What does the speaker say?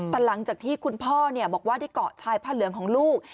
แต่หลังจากที่คุณพ่อบอกว่าได้เกาะชายผ้าเหลืองของลูก